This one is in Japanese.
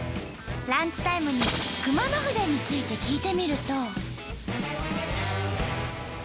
ランチタイムに熊野筆について聞いてみると。